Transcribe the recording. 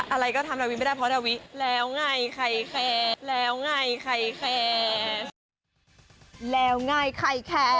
อะไรก็ทำดาวิไม่ได้เพราะดาวิแล้วไงใครแคร์แล้วไงใครแคร์แล้วไง